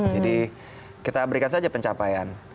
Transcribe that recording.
jadi kita berikan saja pencapaian